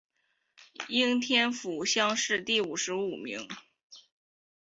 应天府乡试第五十五名。